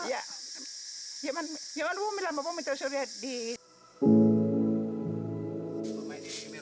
ya ya kan di rumah rumahnya di rumah rumahnya di rumah rumahnya